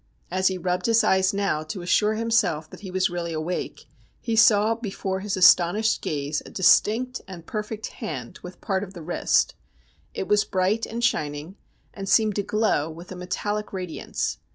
As he rubbed his eyes now to assure himself that he was really awake, he saw before his astonished gaze a distinct and perfect hand with part of the wrist. It was bright and shining, and seemed to glow with a metallic radiance.